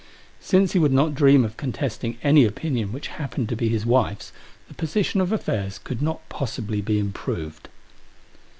Since he would not dream of contesting any opinion which happened to be his wife's, the position of affairs could not possibly be improved.